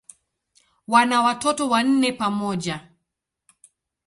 Wana watoto wanne pamoja.